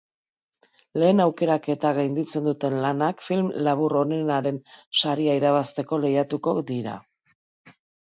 Lehen aukeraketa gainditzen duten lanak film labur onenaren saria irabazteko lehiatuko dira.